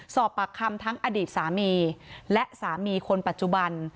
สอบปากคำทั้งอดีตสามีและสามีคนปัจจุบัน